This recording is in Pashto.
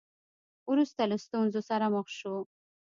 وروسته له ستونزو سره مخ شو.